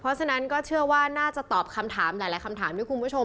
เพราะฉะนั้นก็เชื่อว่าน่าจะตอบคำถามหลายคำถามที่คุณผู้ชม